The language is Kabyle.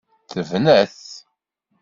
Tebna-t.